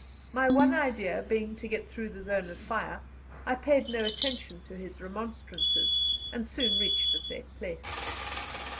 My one idea being to get through the zone of fire, I paid no attention to his remonstrances, and soon reached a safe place.